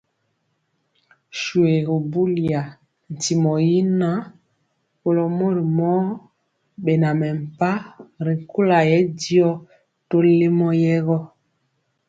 Shoégu buliya, ntimɔ yi ŋan, kɔlo mori mɔ bɛna mɛmpah ri kula yɛ diɔ tɔlemɔ yɛɛ gɔ.